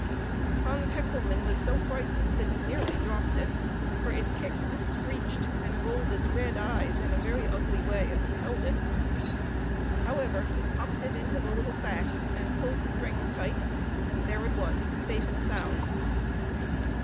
Hans Hecklemann was so frightened that he nearly dropped it, for it kicked and screeched and rolled its red eyes in a very ugly way as he held it. However, he popped it into the little sack and pulled the strings tight, and there it was, safe and sound.